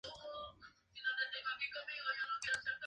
Tuvo un único hijo, el músico Genaro Lozano.